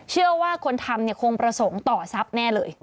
เชื่อว่าคนทำคงประสงค์ต่อทรัพย์แน่เลย